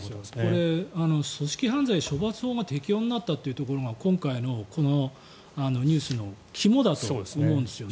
これ組織犯罪処罰法が適用になったというところが今回のこのニュースの肝だと思うんですね。